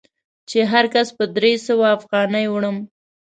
چې هر کس په درې سوه افغانۍ وړم.